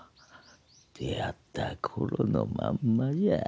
出会った頃のまんまじゃ。